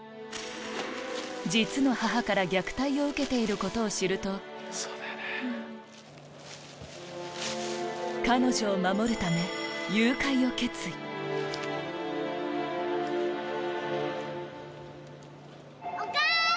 実の母から虐待を受けていることを知ると彼女を守るため誘拐を決意お母さん！